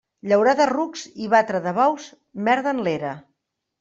Llaurar de rucs i batre de bous, merda en l'era.